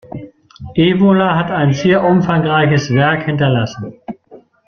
Evola hat ein sehr umfangreiches Werk hinterlassen.